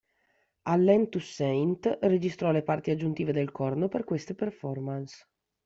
Allen Toussaint registrò le parti aggiuntive del corno per queste performance.